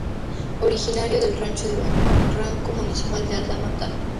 Originario del rancho El Barranco, Municipio de Aldama, Tam.